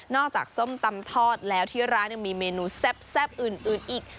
ส้มตำทอดแล้วที่ร้านยังมีเมนูแซ่บอื่นอีก